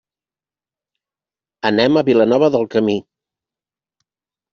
Anem a Vilanova del Camí.